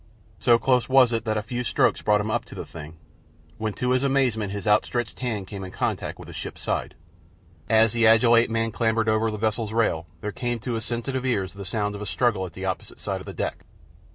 So close was it that a few strokes brought him up to the thing, when to his amazement his outstretched hand came in contact with a ship's side. As the agile ape man clambered over the vessel's rail there came to his sensitive ears the sound of a struggle at the opposite side of the deck.